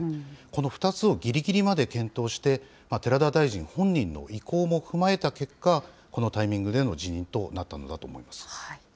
この２つをぎりぎりまで検討して、寺田大臣本人の意向も踏まえた結果、このタイミングでの辞任となったのだと思います。